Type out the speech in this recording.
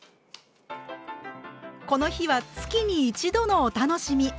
この日は月に一度のお楽しみ！